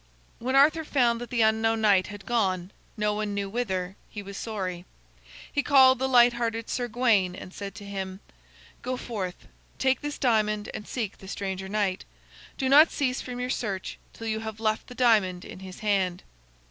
When Arthur found that the unknown knight had gone, no one knew whither, he was sorry. He called the light hearted Sir Gawain and said to him: "Go forth, take this diamond and seek the stranger knight. Do not cease from your search till you have left the diamond in his hand."